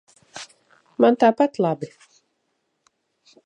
Man tāpat labi.